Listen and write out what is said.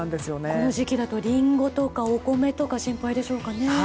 この時期だとリンゴとかお米とか心配でしょうかね。